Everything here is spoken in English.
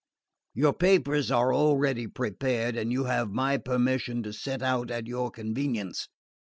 Your papers are already prepared and you have my permission to set out at your convenience.